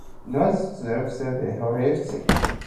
Nun s'atopó la llinia especificada.